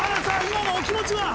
今のお気持ちは？